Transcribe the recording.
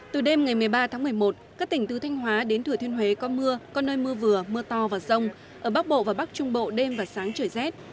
từ đêm ngày một mươi ba tháng một mươi một các tỉnh từ thanh hóa đến thừa thiên huế có mưa có nơi mưa vừa mưa to và rông ở bắc bộ và bắc trung bộ đêm và sáng trời rét